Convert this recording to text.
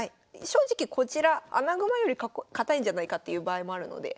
正直こちら穴熊より堅いんじゃないかっていう場合もあるので。